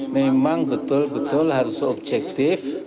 memang betul betul harus objektif